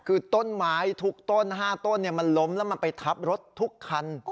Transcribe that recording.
คือต้นไม้ทุกต้น๕ต้นมันล้มแล้วมันไปทับรถทุกคัน